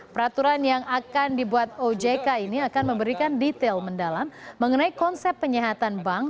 peraturan yang akan dibuat ojk ini akan memberikan detail mendalam mengenai konsep penyihatan bank